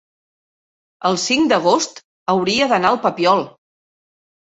el cinc d'agost hauria d'anar al Papiol.